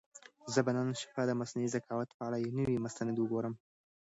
زه به نن شپه د مصنوعي ذکاوت په اړه یو نوی مستند وګورم.